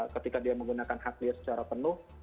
ketika dia menggunakan hak dia secara penuh